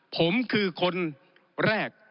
ผมคือคนแรก